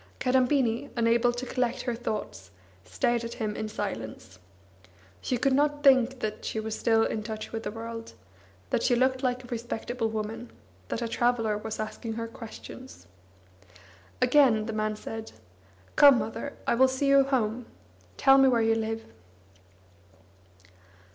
Kadambini, unable to collect her thoughts, stared at him in silence. She could not think that she was still in touch with the world, that she looked like a respectable woman, that a traveller was asking her questions. Again the min said: "Come, mother, I will see you home. Tell me where you live."